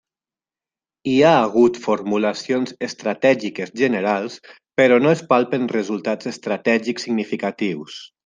Hi ha hagut formulacions estratègiques generals però no es palpen resultats estratègics significatius.